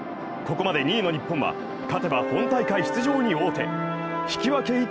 ここまで２位の日本は勝てば本大会出場に王手引き分け